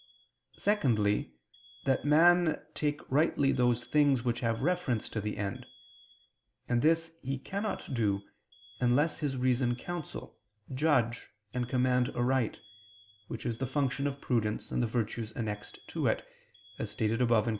Secondly, that man take rightly those things which have reference to the end: and this he cannot do unless his reason counsel, judge and command aright, which is the function of prudence and the virtues annexed to it, as stated above (Q.